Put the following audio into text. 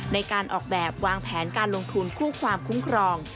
ในการออกแบบวางแผนการลงทุนคู่ความคุ้มครอง